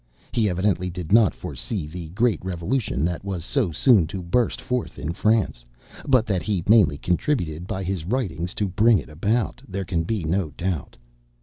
He evidently did not foresee the great revolution that was so soon to burst forth in France, but that he mainly contributed by his writings to bring it about, there can be no doubt.